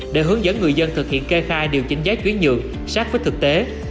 để hướng dẫn người dân thực hiện kê khai điều chỉnh giấy chuyển nhượng sát với thực tế